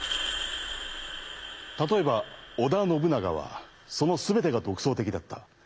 例えば織田信長はその全てが独創的だった。